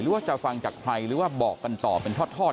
ว่าจะฟังจากใครหรือว่าบอกกันต่อเป็นทอด